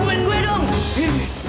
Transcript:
cepetan lagi cepetan lagi